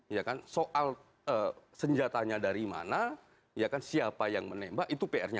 iyaka soal hai senjatanya dari mana ya kan siapa yang menembak itu prnya